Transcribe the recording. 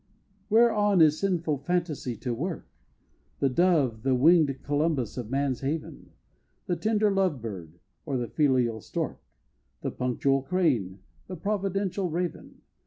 Whereon is sinful fantasy to work? The Dove, the wing'd Columbus of man's haven? The tender Love Bird or the filial Stork? The punctual Crane the providential Raven?